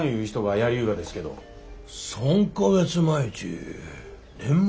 ３か月前ち年末？